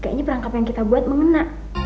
kayaknya perangkap yang kita buat mengena